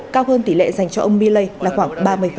cao hơn tỷ lệ dành cho ông milley là khoảng ba mươi